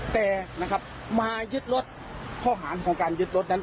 แต่นะครับมายึดรถข้อหารของการยึดรถนั้น